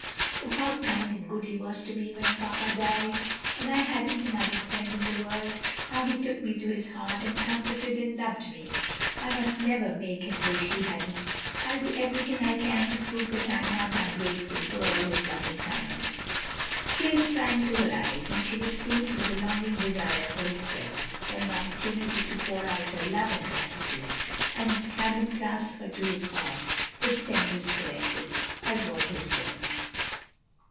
"Oh, how kind and good he was to me when papa died, and I hadn't another friend in the world! how he took me to his heart and comforted and loved me! I must never make him wish he hadn't. I'll do everything I can to prove that I'm not ungrateful for all his love and kindness." Tears sprang to her eyes, and she was seized with a longing desire for his presence, for an opportunity to pour out her love and gratitude, and have him clasp her to his heart with tenderest caresses, as was his wont.